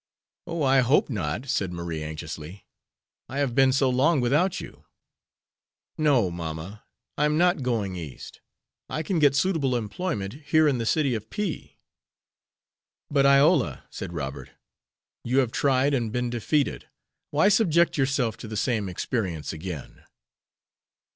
"Oh, I hope not," said Marie, anxiously. "I have been so long without you." "No, mamma, I am not going East. I can get suitable employment here in the city of P ." "But, Iola," said Robert, "you have tried, and been defeated. Why subject yourself to the same experience again?"